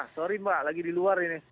sorry mbak lagi di luar ini